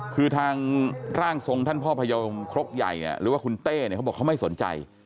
คือทางร่างทรงท่านพ่อพยมครกใหญ่หรือว่าคุณเต้เนี่ยเขาบอกเขาไม่สนใจ